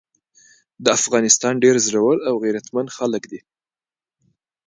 د افغانستان ډير زړور او غيرتمن خلګ دي۔